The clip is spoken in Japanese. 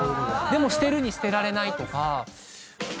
でも捨てるに捨てられないとか。